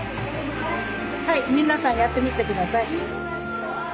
はい皆さんやってみて下さい。